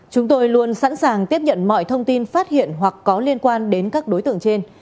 chúng tôi luôn sẵn sàng tiếp nhận mọi thông tin phát hiện hoặc có liên quan đến các đối tượng trên